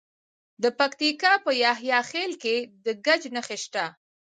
د پکتیکا په یحیی خیل کې د ګچ نښې شته.